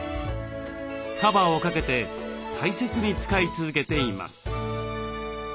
カバーをかけて大切に使い続けています。